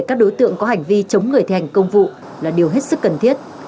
các đối tượng có hành vi chống người thi hành công vụ là điều hết sức cần thiết